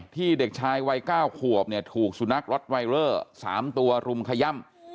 เด็กชายวัย๙ขวบเนี่ยถูกสุนัขร็อตไวเลอร์๓ตัวรุมขย่ำ